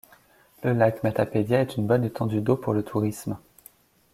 Le lac Matapédia est une bonne étendue d'eau pour le tourisme.